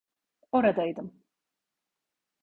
Oradaydım.